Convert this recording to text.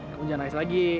kamu jangan nangis lagi